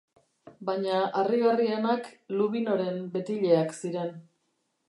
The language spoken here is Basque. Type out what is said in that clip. Baina harrigarrienak Luvinoren betileak ziren.